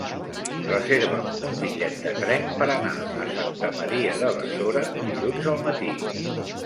Reserva'm un bitllet de tren per anar a Santa Maria de Besora dilluns al matí.